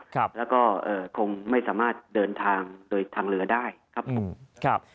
แล้วก็คงไม่สามารถเดินทางโดยทางเหลือได้ครับ